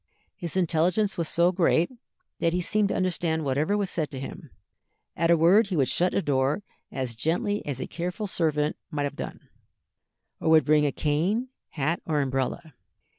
His intelligence was so great that he seemed to understand whatever was said to him; at a word he would shut a door as gently as a careful servant might have done, or would bring a cane, hat, or umbrella.